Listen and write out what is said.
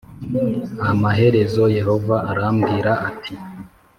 Amaherezo Yehova arambwira ati